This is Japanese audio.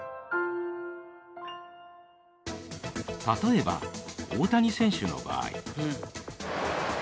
［例えば大谷選手の場合］